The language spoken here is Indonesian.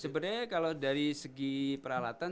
sebenarnya kalau dari segi peralatan